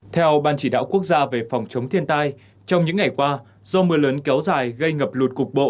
theo ban chỉ đạo quốc gia về phòng chống thiên tai trong những ngày qua do mưa lớn kéo dài gây ngập lụt cục bộ